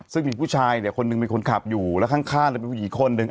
ซึ่งมีผู้ชายเนี่ยคนหนึ่งเป็นคนขับอยู่แล้วข้างเป็นผู้หญิงคนหนึ่ง